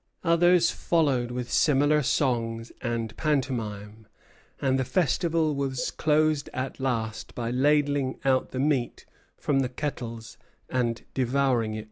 Others followed with similar songs and pantomime, and the festival was closed at last by ladling out the meat from the kettles, and devouring it.